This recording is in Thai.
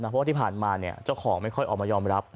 เพราะว่าที่ผ่านมาเจ้าของไม่ค่อยออกมายอมรับ